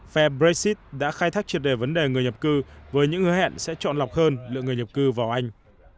phe brexit đã khai thác triệt đề vấn đề người nhập cư với những hứa hẹn sẽ chọn lọc hơn lượng người nhập cư vào anh